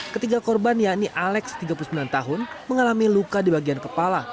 ketiga korban yakni alex tiga puluh sembilan tahun mengalami luka di bagian kepala